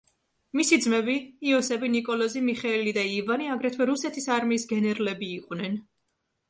მისი ძმები, იოსები, ნიკოლოზი, მიხეილი და ივანე აგრეთვე რუსეთის არმიის გენერლები იყვნენ.